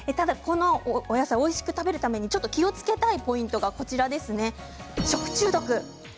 お野菜をおいしく食べるために気をつけたいのが食中毒です。